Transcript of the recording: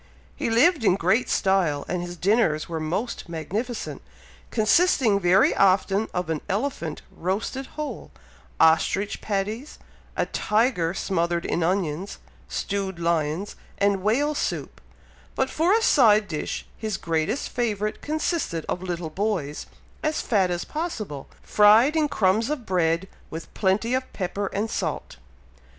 He lived in great style, and his dinners were most magnificent, consisting very often of an elephant roasted whole, ostrich patties, a tiger smothered in onions, stewed lions, and whale soup; but for a side dish his greatest favourite consisted of little boys, as fat as possible, fried in crumbs of bread, with plenty of pepper and salt.